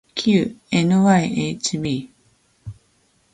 きう ｎｙｈｂ